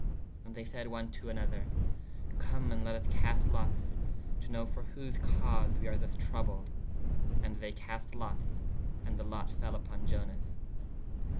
¶ And they sayde one to a nother/ come & lett vs cast lottes/ to know for whose cause we are thus troublede. And they cast lottes. And [the] lott fell vppon Ionas.